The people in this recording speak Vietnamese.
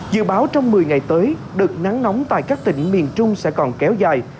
dự báo trong một mươi ngày tới đợt nắng nóng tại các tỉnh miền trung sẽ còn kéo dài